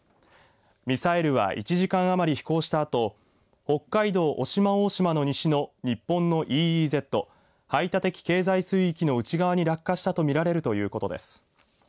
ミサイルは１時間余り飛行したあと北海道渡島大島の西の日本のＥＥＺ排他的経済水域の内側に落下したと見られるということです。